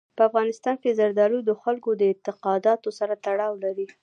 په افغانستان کې زردالو د خلکو د اعتقاداتو سره تړاو لري.